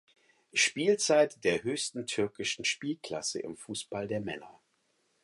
Spielzeit der höchsten türkischen Spielklasse im Fußball der Männer.